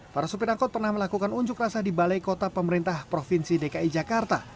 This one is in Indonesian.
para supir angkot pernah melakukan unjuk rasa di balai kota pemerintah provinsi dki jakarta